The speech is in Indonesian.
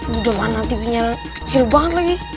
udah mana tv nya kecil banget lagi